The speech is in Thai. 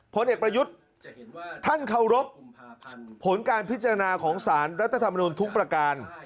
ผลเอกประยุทธ์ท่านเคารพผลการพิจารณาของสารรัฐธรรมนุนทุกประการ